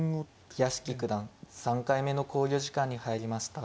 屋敷九段３回目の考慮時間に入りました。